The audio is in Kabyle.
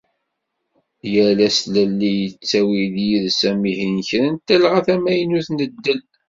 Yal aslelli yettawi-d yid-s amihi n kra n talɣa tamaynut n ddel.